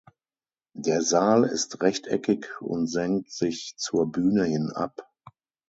Der Saal ist rechteckig und senkt sich zur Bühne hin ab.